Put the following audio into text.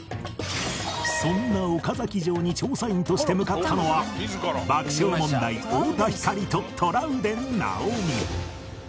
そんな岡崎城に調査員として向かったのは爆笑問題太田光とトラウデン直美